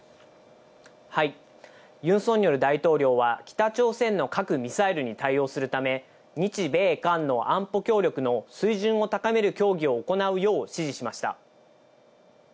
ユン・ソンニョル大統領は北朝鮮の核・ミサイルに対応するため、日米韓の安保協力の水準を高める協議を行うよう指示しました。